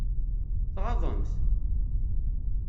Tɣaḍem-t?